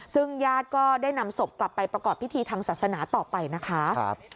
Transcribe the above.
ซึ่งญาติก็ได้นำศพกลับไปประกอบพิธีทางศาสนาต่อไปนะคะ